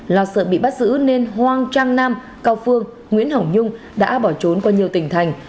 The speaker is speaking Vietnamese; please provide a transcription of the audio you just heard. lo sợ bị bắt giữ nên hoang trang nam cao phương nguyễn hồng nhung đã bỏ trốn qua nhiều tỉnh thành